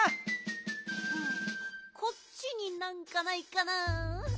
こっちになんかないかな。